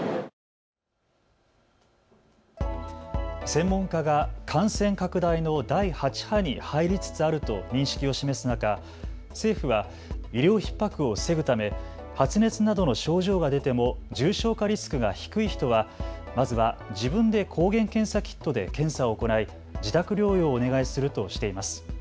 専門家が感染拡大の第８波に入りつつあると認識を示す中、政府は医療ひっ迫を防ぐため発熱などの症状が出ても重症化リスクが低い人はまずは自分で抗原検査キットで検査を行い自宅療養をお願いするとしています。